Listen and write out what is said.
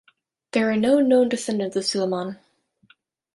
There are no known descendants of Suleyman.